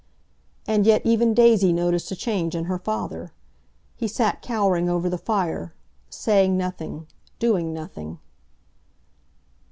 And yet even Daisy noticed a change in her father. He sat cowering over the fire—saying nothing, doing nothing.